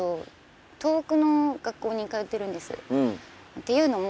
っていうのも。